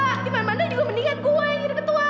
gimana mana juga mendingan gue jadi ketua